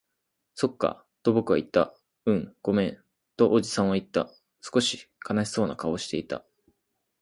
そっか、と僕は言った。うん、ごめん、とおじさんは言った。少し悲しそうな顔をしていた。